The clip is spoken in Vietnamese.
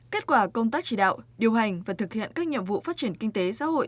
kết quả công tác chỉ đạo điều hành và thực hiện các nhiệm vụ phát triển kinh tế xã hội